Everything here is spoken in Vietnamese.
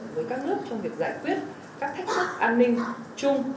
với các nước trong việc giải quyết các thách thức an ninh chung